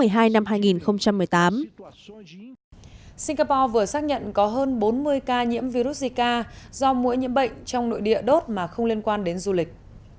singapore vừa xác nhận có hơn bốn mươi ca nhiễm virus zika do mũi nhiễm bệnh trong nội địa đốt mà không liên quan đến du lịch